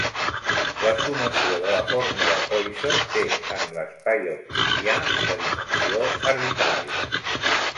La sumació de la fórmula Poisson té en l'espai euclidià de dimensió arbitrària.